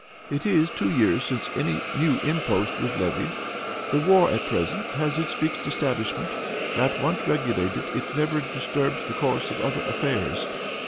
It is two years since any new impost was levied. The war, at present, has its fixed establishment; that once regulated, it never disturbs the course of other affairs.